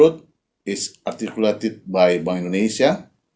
diartikulasi oleh bank indonesia